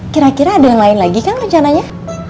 kira kira ada yang lain lagi kang rencananya